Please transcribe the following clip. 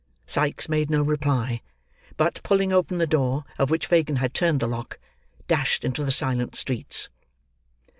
Sikes made no reply; but, pulling open the door, of which Fagin had turned the lock, dashed into the silent streets.